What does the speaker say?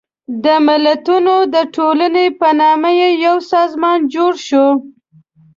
د ملتونو د ټولنې په نامه یو سازمان جوړ شو.